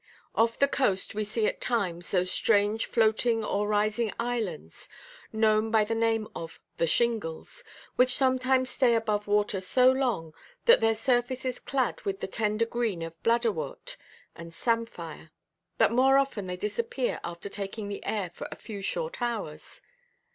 Off this coast we see at times those strange floating or rising islands known by the name of the "Shingles;" which sometimes stay above water so long, that their surface is clad with the tender green of bladderwort and samphire; but more often they disappear after taking the air for a few short hours.